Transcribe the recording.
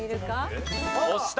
押した。